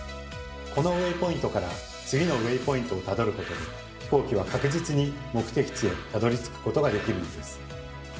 このウェイポイントから次のウェイポイントをたどることで飛行機は確実に目的地へたどりつくことができるんです。